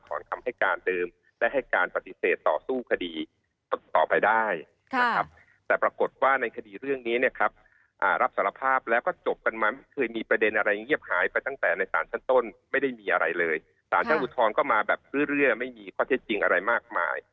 ก็มาแบบเรื่อยไม่มีข้อเท็จจริงอะไรมากมาย